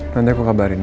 nanti aku kabarin ya